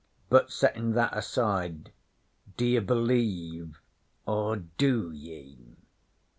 But settin' that aside, d'ye believe or do ye?'